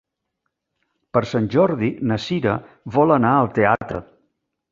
Per Sant Jordi na Sira vol anar al teatre.